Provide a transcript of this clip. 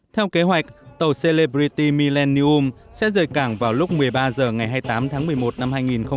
theo kế hoạch tàu celebrity millennium sẽ rời cảng vào lúc một mươi ba h ngày hai mươi tám tháng một mươi một năm hai nghìn một mươi tám